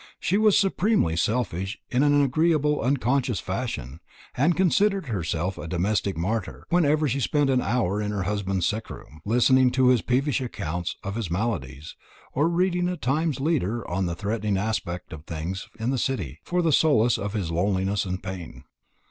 She was supremely selfish in an agreeable unconscious fashion, and considered herself a domestic martyr whenever she spent an hour in her husband's sick room, listening to his peevish accounts of his maladies, or reading a Times leader on the threatening aspect of things in the City for the solace of his loneliness and pain.